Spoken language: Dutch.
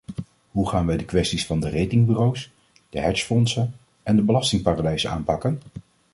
Hoe gaan wij de kwestie van de ratingbureaus, de hedgefondsen en de belastingparadijzen aanpakken?